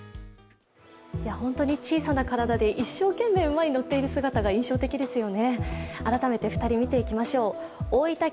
本当に小さな体で、一生懸命、馬に乗っている姿が印象的ですよね。